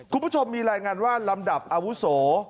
คุณผู้ชมมีรายงานว่าลำดับอาวุโส